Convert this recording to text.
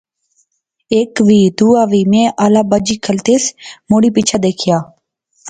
ہیک وی، دوہا وی، میں آلا بجی کھلتیس، مڑی پیچھے دیکھیا